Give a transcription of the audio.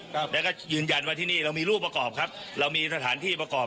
ครับแล้วก็ยืนยันว่าที่นี่เรามีรูปประกอบครับเรามีสถานที่ประกอบ